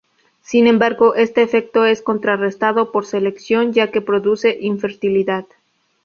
Sin embargo, este efecto es contrarrestado por selección, ya que produce infertilidad.